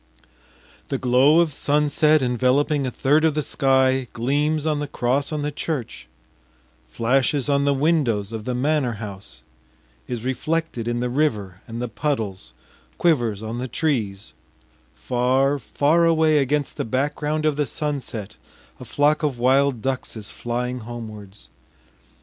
The glow of sunset enveloping a third of the sky gleams on the cross on the church, flashes on the windows of the manor house, is reflected in the river and the puddles, quivers on the trees; far, far away against the background of the sunset, a flock of wild ducks is flying homewards....